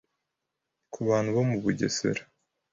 ku bantu bo mu Bugesera